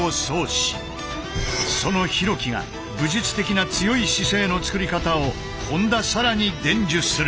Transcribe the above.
その廣木が武術的な強い姿勢の作り方を本田紗来に伝授する。